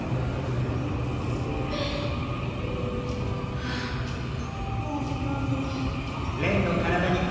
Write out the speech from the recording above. ああもう時間だ。